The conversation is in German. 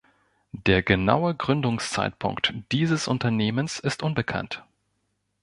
Der genaue Gründungszeitpunkt dieses Unternehmens ist unbekannt.